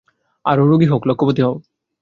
আরও রোগী হোক, লক্ষপতি হও।